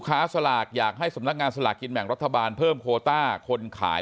สลากอยากให้สำนักงานสลากกินแบ่งรัฐบาลเพิ่มโคต้าคนขาย